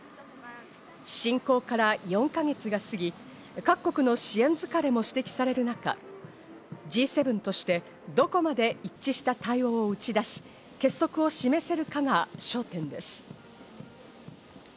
侵攻から４ヶ月が過ぎ、各国の支援疲れも指摘される中、Ｇ７としてどこまで一致した対応を打ち出し、結束を示せるかが焦点です。